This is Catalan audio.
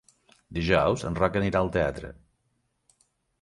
Dijous en Roc anirà al teatre.